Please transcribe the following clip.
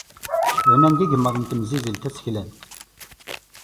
Banen-d yigemmaḍ n temsizzelt taseklant.